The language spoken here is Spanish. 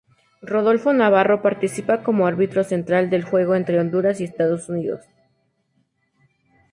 Rodolfo Navarro participa como árbitro central del juego entre Honduras y Estados Unidos.